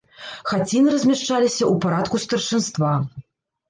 Хаціны размяшчаліся ў парадку старшынства.